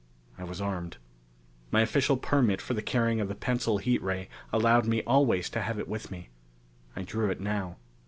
I was armed. My official permit for the carrying of the pencil heat ray allowed me always to have it with me. I drew it now.